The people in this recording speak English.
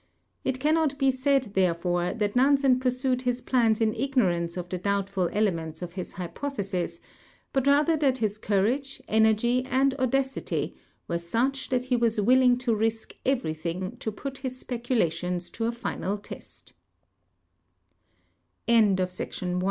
f It cannot be said therefore that Nansen ])ursued his {)lans in ignorance of the doubtful elements of his hyi)othesis, but rather that his courage, energ}", and audacity were such that he was willing to risk everything to put his